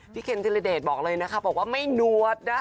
พี่เข็นทีระเดชบอกเลยนะคะบอกว่าไม่หนวดนะ